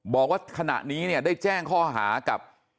บอกว่าขณะนี้เนี่ยได้แจ้งข้อหากับ